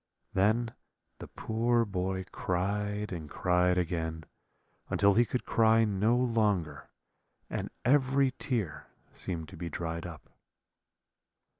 Then the poor boy cried and cried again, until he could cry no longer, and every tear seemed to be dried up.